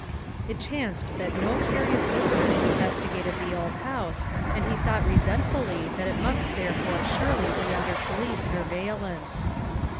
It chanced that no curious visitors investigated the THE SECRETARY OF STATE 293 old house, and he thought resentfully that it must there fore surely be under police surveillance.